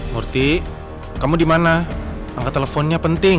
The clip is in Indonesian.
murti kamu dimana angka teleponnya penting